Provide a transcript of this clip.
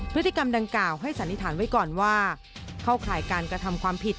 พฤติกรรมดังกล่าวให้สันนิษฐานไว้ก่อนว่าเข้าข่ายการกระทำความผิด